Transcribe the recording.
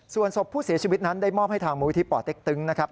ส่วนศพผู้เสียชีวิตนั้นได้มอบให้ทางมูลิธิป่อเต็กตึงนะครับ